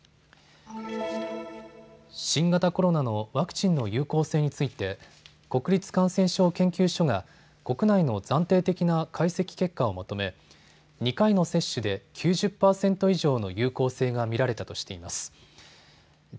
新型コロナのワクチンの有効性について国立感染症研究所が国内の暫定的な解析結果をまとめ２回の接種で９０％以上の有効性が見られたとしています。